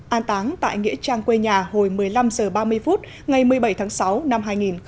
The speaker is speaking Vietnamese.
an táng tại nghĩa trang quê nhà hồi một mươi năm h ba mươi phút ngày một mươi bảy tháng sáu năm hai nghìn một mươi chín